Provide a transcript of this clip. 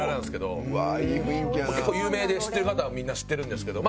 結構有名で知ってる方はみんな知ってるんですけど。